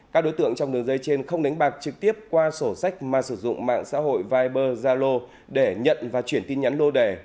các đối tượng trong đường dây trên không đánh bạc trực tiếp qua sổ sách mà sử dụng mạng xã hội viber zalo để nhận và chuyển tin nhắn lô đề